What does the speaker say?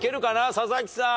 佐々木さん。